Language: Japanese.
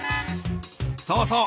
そうそう。